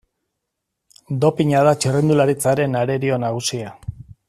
Dopina da txirrindularitzaren arerio nagusia.